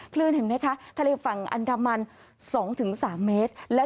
เห็นไหมคะทะเลฝั่งอันดามัน๒๓เมตร